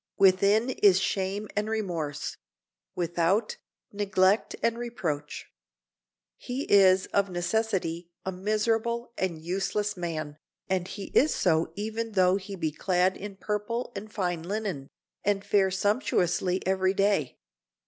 Within is shame and remorse; without, neglect and reproach. He is of necessity a miserable and useless man, and he is so even though he be clad in purple and fine linen, and fare sumptuously every day.